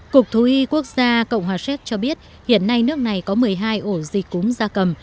cục thú y quốc gia cộng hòa xét cho biết hiện nay nước này có một mươi hai ổ dịch cúng gia cầm